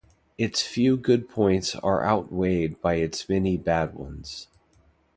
Its few good points are far outweighed by its many bad ones.